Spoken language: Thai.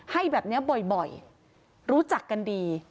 ให้แบบนี้บ่อยรู้จักกันดี